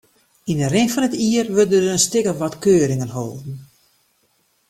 Yn de rin fan it jier wurde in stik of wat keuringen holden.